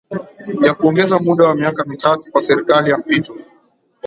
ya kuongeza muda wa miaka mitatu kwa serikali ya mpito